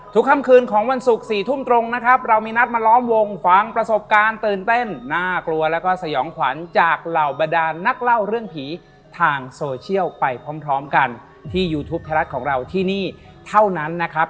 ค่ำคืนของวันศุกร์๔ทุ่มตรงนะครับเรามีนัดมาล้อมวงฟังประสบการณ์ตื่นเต้นน่ากลัวแล้วก็สยองขวัญจากเหล่าบรรดานนักเล่าเรื่องผีทางโซเชียลไปพร้อมกันที่ยูทูปไทยรัฐของเราที่นี่เท่านั้นนะครับ